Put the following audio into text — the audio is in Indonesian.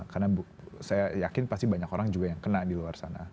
karena saya yakin pasti banyak orang juga yang kena di luar sana